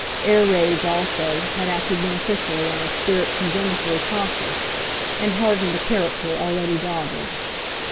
Air raids, also, had acted beneficially on a spirit congenitally cautious, and hardened a character already dogged.